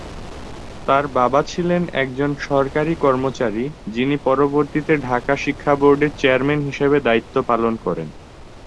তার বাবা ছিলেন একজন সরকারি কর্মচারী, যিনি পরবর্তীতে ঢাকা শিক্ষা বোর্ডের চেয়ারম্যান হিসেবে দায়িত্ব পালন করেন।